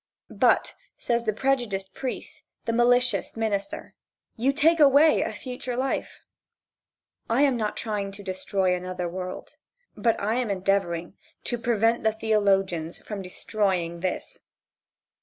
But, says the prejudiced priest, the malicious minister, "You take away a future life." I am not trying to destroy another world, but I am endeavoring to prevent the theologians from destroying this.